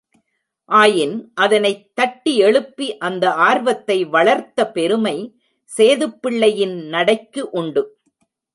ஆயின் அதனைத் தட்டி எழுப்பி அந்த ஆர்வத்தை வளர்த்த பெருமை சேதுப்பிள்ளையின் நடைக்கு உண்டு.